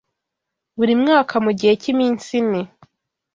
Buri mwaka mu gihe cy’iminsi ine